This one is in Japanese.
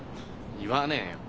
言わねえよ。